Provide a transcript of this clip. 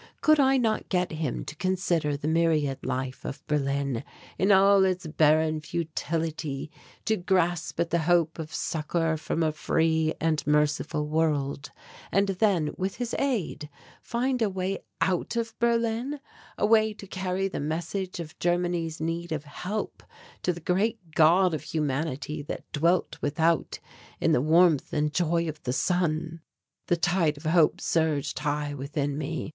Could I not get him to consider the myriad life of Berlin in all its barren futility, to grasp at the hope of succour from a free and merciful world, and then, with his aid, find a way out of Berlin, a way to carry the message of Germany's need of help to the Great God of Humanity that dwelt without in the warmth and joy of the sun? The tide of hope surged high within me.